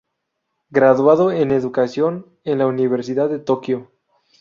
Graduado en Educación en la Universidad de Tokio.